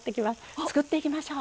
作っていきましょう。